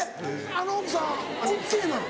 あの奥さんＯＫなの？